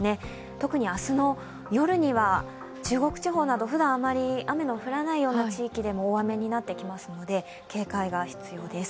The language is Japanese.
特に明日の夜には中国地方など、ふだんあまり雨の降らないような地域でも大雨になってきますので、警戒が必要です。